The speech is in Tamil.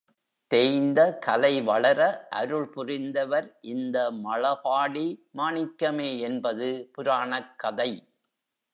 தேய்ந்த கலை வளர அருள் புரிந்தவர் இந்த மழபாடி மாணிக்கமே என்பது புராணக் கதை.